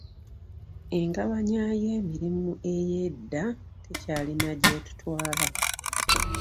Engabanya y'emirimu eyedda tekyalina gyettutwaala.